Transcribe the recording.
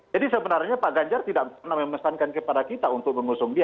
jadi sebenarnya pak ganjar tidak pernah memesankan kepada kita untuk mengusung dia